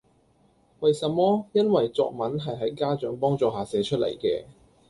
為什麼?因為作文係喺家長幫助下寫出嚟嘅